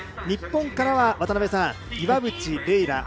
日本からは渡辺さん岩渕麗